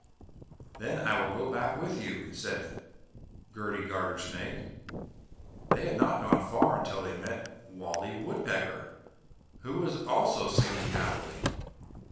"Then I will go back with you!" said Gerty Gartersnake. They had not gone far until they met Wallie Woodpecker, who also was singing happily.